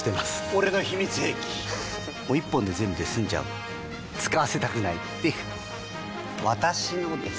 俺の秘密兵器１本で全部済んじゃう使わせたくないっていう私のです！